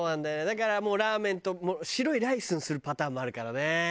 だからラーメンと白いライスにするパターンもあるからね。